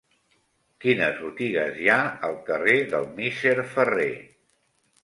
Quines botigues hi ha al carrer del Misser Ferrer?